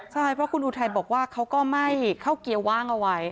ใช่เพราะคุณอุทัยบอกว่าเขาก็ไม่เข้าเกียร์ว่างเอาไว้